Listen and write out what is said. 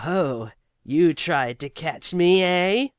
So you tried to catch me, eh?"